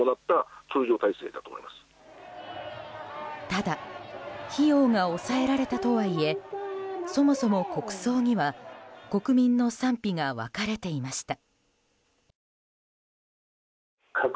ただ費用が抑えられたとはいえそもそも国葬には国民の賛否が分かれていました。